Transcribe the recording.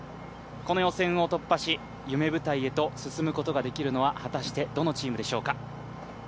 この予選を突破し夢舞台へと進むことができるのは果たしてどのチームでしょうか。